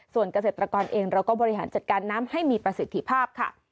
ส่วนเกษตรกรเองเราก็บริหารจัดการน้ำให้มีประสิทธิภาพค่ะ